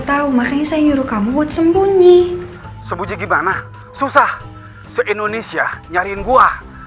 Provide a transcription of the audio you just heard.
tahu makanya saya nyuruh kamu buat sembunyi sembunyi gimana susah se indonesia nyariin gue